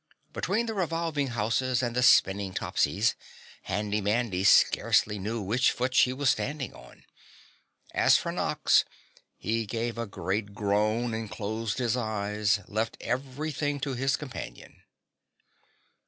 Between the revolving houses and the spinning Topsies, Handy Mandy scarcely knew which foot she was standing on. As for Nox, he gave a great groan and closing his eyes, left everything to his companion.